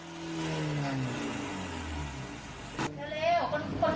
เชิญเร็วคนไข้ฉุกเฉิน